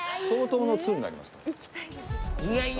相当の通になりますから。